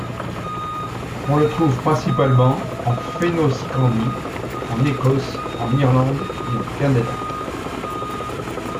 On le trouve principalement en Fennoscandie, en Écosse, en Irlande et au Canada.